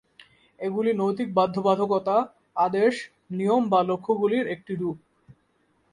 এগুলি নৈতিক বাধ্যবাধকতা, আদেশ, নিয়ম বা লক্ষ্যগুলির একটি রূপ।